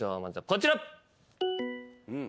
こちら。